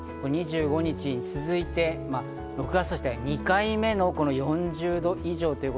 ２５日に続いて６月としては２回目の４０度以上。